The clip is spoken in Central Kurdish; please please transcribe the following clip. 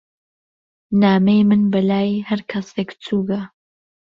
نامهی من به لای ههر کهسێک چووگه